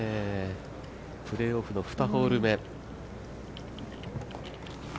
プレーオフの２ホール目。